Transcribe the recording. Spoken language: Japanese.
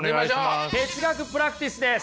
哲学プラクティスです。